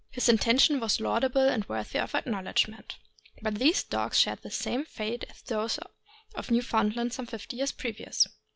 His intention was laudable and worthy of acknowledgment. But these dogs shared the same fate as those of Newfoundland some fifty years previous.